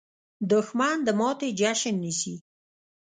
دښمن د ماتې جشن نیسي